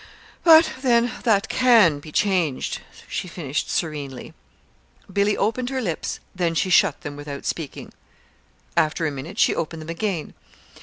"But then, that can be changed," she finished serenely. Billy opened her lips, but she shut them without speaking. After a minute she opened them again.